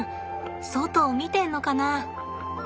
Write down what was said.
外を見てんのかな？